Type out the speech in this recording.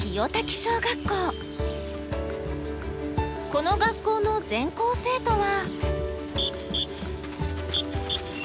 この学校の全校生徒は。